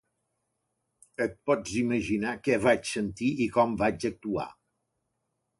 Et pots imaginar què vaig sentir i com vaig actuar.